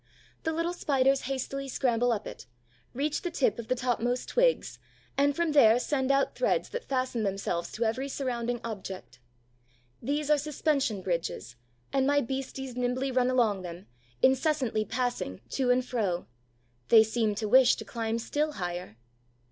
The little Spiders hastily scramble up it, reach the tip of the topmost twigs and from there send out threads that fasten themselves to every surrounding object. These are suspension bridges; and my beasties nimbly run along them, incessantly passing to and fro. They seem to wish to climb still higher.